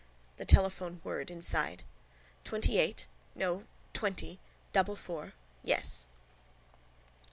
The telephone whirred inside. —Twentyeight... No, twenty... Double four... Yes.